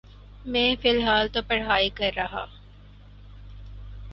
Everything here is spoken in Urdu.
میں فلحال تو پڑہائی کر رہا۔